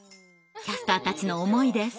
キャスターたちの思いです。